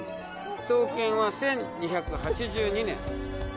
創建は１２８２年。